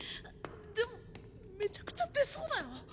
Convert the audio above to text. でもめちゃくちゃ出そうだよ。